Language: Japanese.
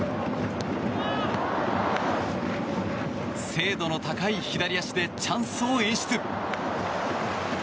精度の高い左足でチャンスを演出。